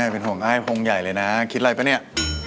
เป็นห่วงอ้ายพงใหญ่เลยนะคิดอะไรป่ะเนี่ย